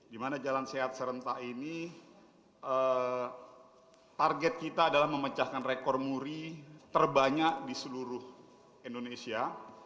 dimana jalan sehat serentak ini target kita adalah memecahkan rekor muri terbanyak di seluruh indonesia